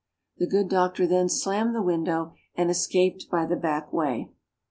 The good Doctor then slammed the window and escaped by the back way.